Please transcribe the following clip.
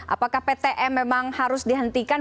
apakah ptm memang harus dihentikan